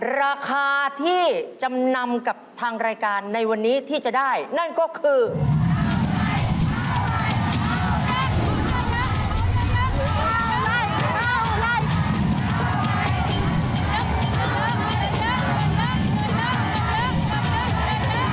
ราคาที่จำนำกับทางรายการในวันนี้ที่จะได้นั่นก็คือ